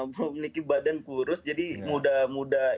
memiliki badan kurus jadi mudah mudah